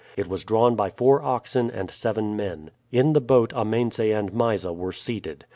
It was drawn by four oxen and seven men. In the boat Amense and Mysa were seated.